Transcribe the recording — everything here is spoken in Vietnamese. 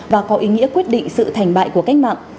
và có ý nghĩa quyết định sự thành bại của cách mạng